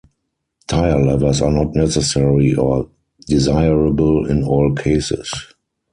Tire levers are not necessary or desirable in all cases.